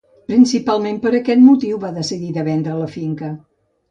Principalment per aquest motiu van decidir de vendre la finca.